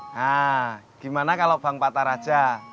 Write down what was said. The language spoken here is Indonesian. hah gimana kalau bang patar aja